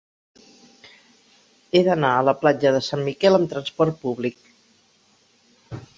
He d'anar a la platja de Sant Miquel amb trasport públic.